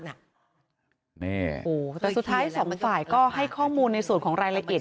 แต่สุดท้ายสองฝ่ายก็ให้ข้อมูลในส่วนของรายละเอียด